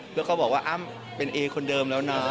แล้วก็บอกว่าอ้ำเป็นเอคนเดิมแล้วนะ